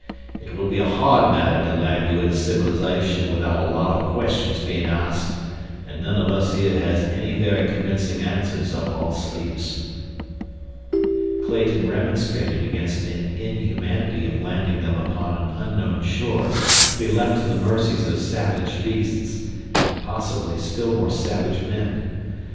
"It would be a hard matter to land you in civilization without a lot o' questions being asked, an' none o' us here has any very convincin' answers up our sleeves." Clayton remonstrated against the inhumanity of landing them upon an unknown shore to be left to the mercies of savage beasts, and, possibly, still more savage men.